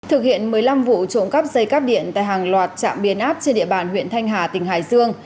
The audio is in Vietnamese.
thực hiện một mươi năm vụ trộm cắp dây cắp điện tại hàng loạt trạm biến áp trên địa bàn huyện thanh hà tỉnh hải dương